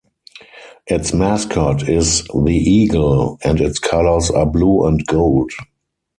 Its mascot is the Eagle, and its colors are blue and gold.